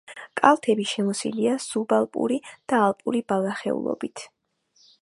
კალთები შემოსილია სუბალპური და ალპური ბალახეულობით.